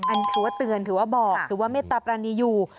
อันคือว่าเตือนหรือว่าบอกหรือว่าไม่ตรับรันนี้อยู่